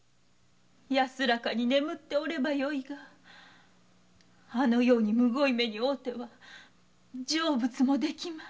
安らかに眠っておればよいがあのようにむごい目に遭うては成仏もできまい。